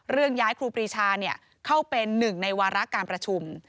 ย้ายครูปรีชาเข้าเป็นหนึ่งในวาระการประชุม